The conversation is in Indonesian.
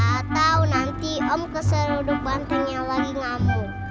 atau nanti om keseruduk bantengnya lagi ngambung